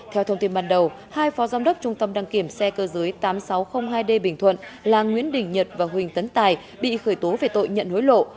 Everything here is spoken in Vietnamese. theo thông tin ban đầu hai phó giám đốc trung tâm đăng kiểm xe cơ giới tám nghìn sáu trăm linh hai d bình thuận là nguyễn đình nhật và huỳnh tấn tài bị khởi tố về tội nhận hối lộ